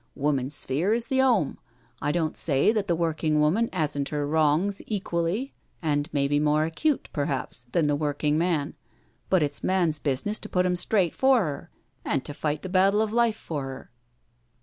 " Woman's sphere is the 'ome. I don't say that the working woman 'asn't her wrongs equally and maybe more acute perhaps, than the working man, but it's man's business to put 'em straight for 'er, and to fight the battle of life for 'er."